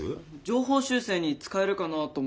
情報修正に使えるかなと思って。